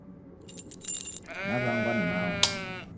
Naw'angwa ni mao